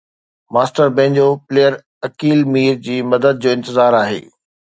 master banjo player Aqeel Mir جي مدد جو انتظار آهي